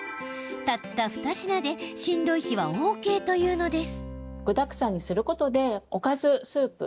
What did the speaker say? たった２品でしんどい日はＯＫというのです。